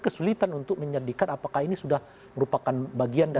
kesulitan untuk menyedihkan apakah ini sudah merupakan bagian dari